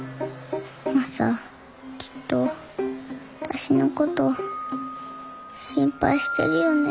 マサきっと私のこと心配してるよね。